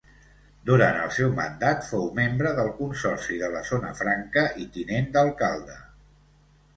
Durant el seu mandat fou membre del Consorci de la Zona Franca i tinent d'alcalde.